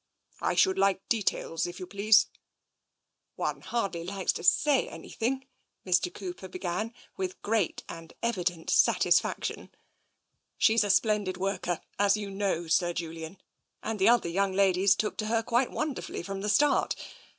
I should like details, if you please." One hardly likes to say anything," Mr. Cooper began, with great and evident satisfaction. She's a splendid worker, as you know, Sir Julian, and the other young ladies took to her quite wonderfully from the start.